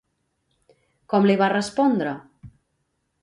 Com li va respondre?